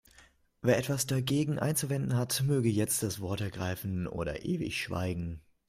Wer etwas dagegen einzuwenden hat, möge jetzt das Wort ergreifen oder ewig schweigen.